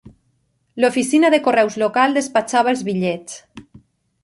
L'oficina de correus local despatxava els bitllets.